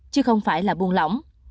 chứ không phải là buôn lỏng